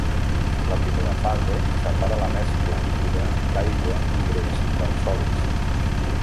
La primera fase separa la mescla líquida d"aigua i greix dels sòlids.